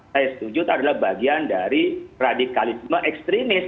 saya setuju itu adalah bagian dari radikalisme ekstremis